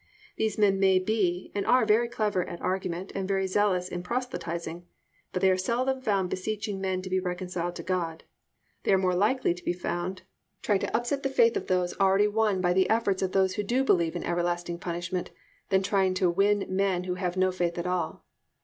These men may be and are very clever at argument, and very zealous in proselyting, but they are seldom found beseeching men to be reconciled to God. They are far more likely to be found trying to upset the faith of those already won by the efforts of those who do believe in everlasting punishment than trying to win men who have no faith at all.